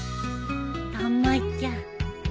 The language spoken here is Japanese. たまちゃん。